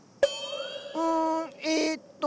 うんえっと。